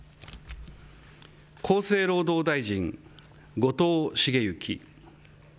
厚生労働大臣、後藤茂之。